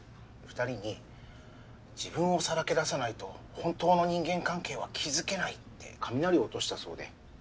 ２人に「自分をさらけ出さないと本当の人間関係は築けない」って雷を落としたそうで。